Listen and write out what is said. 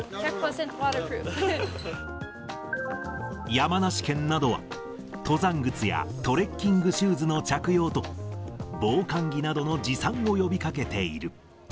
山梨県などは、登山靴やトレッキングシューズの着用と、防寒着などの持参を呼びかけている。